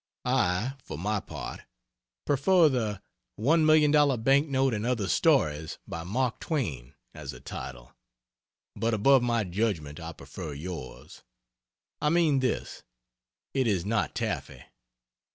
I, for my part, prefer the "$1,000,000 Banknote and Other Stories" by Mark Twain as a title, but above my judgment I prefer yours. I mean this it is not taffy.